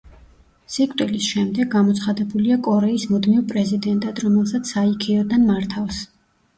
სიკვდილის შემდეგ გამოცხადებულია კორეის მუდმივ პრეზიდენტად, რომელსაც საიქიოდან მართავს.